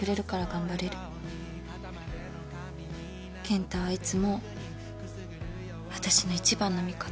健太はいつも私の一番の味方。